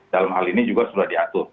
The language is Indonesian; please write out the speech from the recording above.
dalam hal ini juga sudah diatur